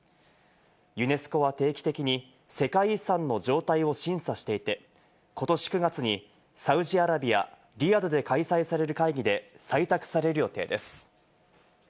ユネスコは定期的に世界遺産の状態を審査していて、ことし９月にサウジアラビア・リヤドで開催される会議で採択される予定です。